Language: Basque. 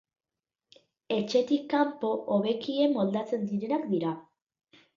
Etxetik kanpo hobekien moldatzen direnak dira.